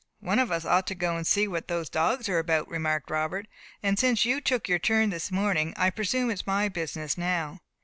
"One of us ought to go and see what those dogs are about," remarked Robert; "and since you took your turn this morning, I presume it is my business now."